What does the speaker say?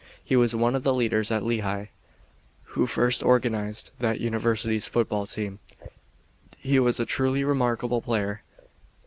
He was one of the leaders at Lehigh, who first organized that University's football team. He was a truly remarkable player.